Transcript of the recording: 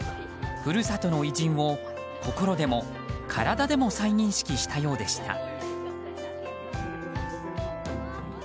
故郷の偉人を心でも体でも再認識したようでした。